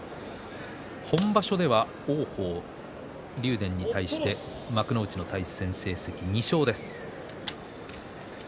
本場所では王鵬、竜電に対して幕内の対戦成績２勝です。